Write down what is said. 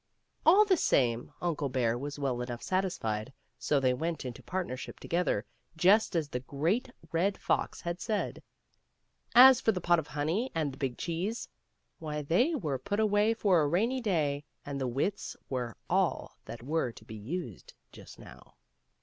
All the same. Uncle Bear was well enough satisfied, and so they went into partnership together, just as the Great Red Fox had said. As for the pot of honey and the big cheese, why, they were put away for a rainy day, and the wits were all that were to be used just now.